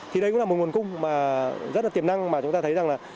thì đây cũng là một nguồn cung rất tiềm năng mà chúng ta thấy rằng